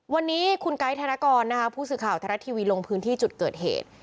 วันนี้คุณไกท์ธนากรผู้สื่อข่าวธนาทีวีลงพื้นที่จุดเกิดเหตุ